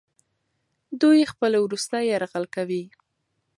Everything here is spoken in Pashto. دوی خپل وروستی یرغل کوي.